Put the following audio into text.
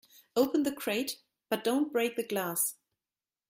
Open the crate but don't break the glass.